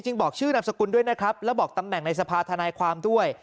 บอกชื่อนามสกุลด้วยนะครับแล้วบอกตำแหน่งในสภาธนายความด้วย